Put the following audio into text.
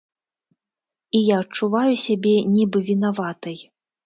І я адчуваю сябе нібы вінаватай.